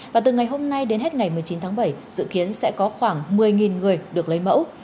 và từ ngày hôm nay đến hết ngày một mươi chín tháng bảy dự kiến sẽ có khoảng một mươi người được lấy mẫu